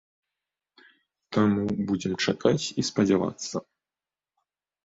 Таму будзем чакаць і спадзявацца.